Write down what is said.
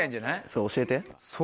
そう教えて。